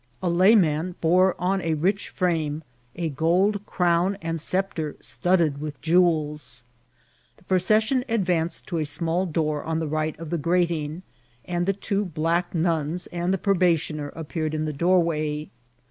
A layman bore on a rich frame a gold crown and sceptre studded with jewels. The proces sion advanced to a small door on the right of the gra» ting, and the two black nuns and the probationer a|K peered in the doorway.